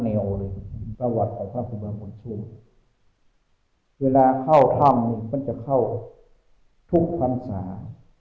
แต่โอแล้ว่าของพระบุญชูเวลาเข้าทั้งมันจะเข้าทุกทั้งสามารถ